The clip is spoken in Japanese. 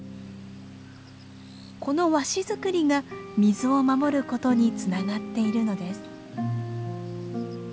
この和紙作りが水を守ることにつながっているのです。